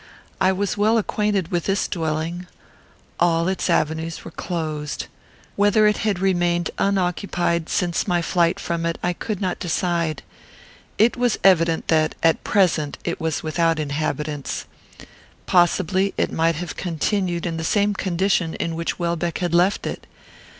I was well acquainted with this dwelling. All its avenues were closed. Whether it had remained unoccupied since my flight from it, I could not decide. It was evident that, at present, it was without inhabitants. Possibly it might have continued in the same condition in which Welbeck had left it.